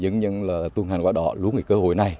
nhưng tuân hành quá đỏ lúc cơ hội này